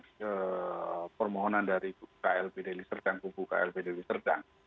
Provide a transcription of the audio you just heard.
ini permohonan dari kubu klb di deli serdang